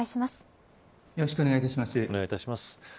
よろしくお願いします。